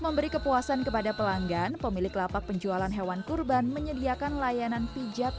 memberi kepuasan kepada pelanggan pemilik lapak penjualan hewan kurban menyediakan layanan pijat